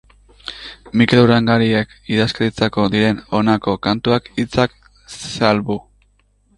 Mikel Urdangarinek idatzitakoak dira honako kantuen hitzak salbu.